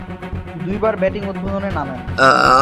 দুইবার ব্যাটিং উদ্বোধনে নামেন।